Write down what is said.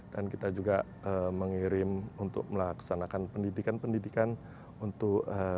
dan kita juga mengirim untuk melaksanakan pendidikan pendidikan untuk tingkat master doktoral